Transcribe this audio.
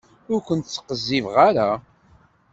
Ur ken-ttqezzibeɣ ara.